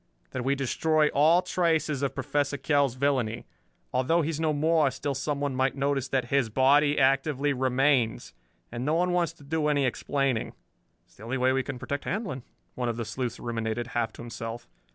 "That we destroy all traces of Professor Kell's villainy. Although he is no more, still someone might notice that his body actively remains. And no one wants to do any explaining." "It's the only way we can protect Handlon," one of the sleuths ruminated, half to himself.